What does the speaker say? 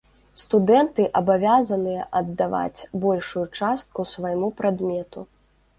Студэнты абавязаныя аддаваць большую частку свайму прадмету.